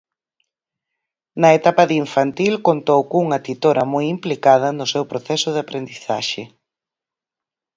"Na etapa de infantil contou cunha titora moi implicada no seu proceso de aprendizaxe".